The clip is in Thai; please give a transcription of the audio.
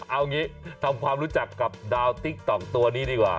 เอางี้ทำความรู้จักกับดาวติ๊กต๊อกตัวนี้ดีกว่า